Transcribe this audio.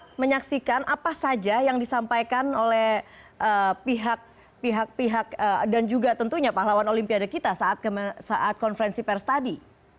kita menyaksikan apa saja yang disampaikan oleh pihak pihak dan juga tentunya pahlawan olimpiade kita saat konferensi pers tadi